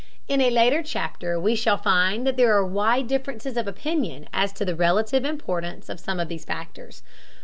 In a later chapter we shall find that there are wide differences of opinion as to the relative importance of some of these factors.